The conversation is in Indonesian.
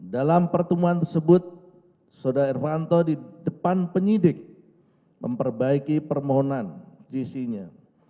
dalam pertemuan tersebut saudara irvanto di depan penyidik memperbaiki permohonan gc nya